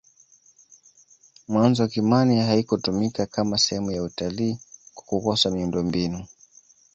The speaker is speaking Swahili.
mwanzo kimani haikutumika Kama sehemu ya utalii kwa kukosa miundombinu